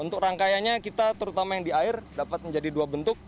untuk rangkaiannya kita terutama yang di air dapat menjadi dua bentuk